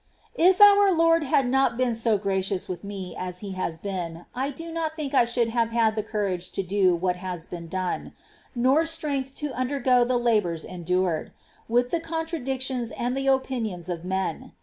9. If our Lord had not been so gracious with me Courage. as He has been, I do not think I should have had the courage to do what has been done, nor strength to undergo the labours endured, with the contradictions and the opinions of men.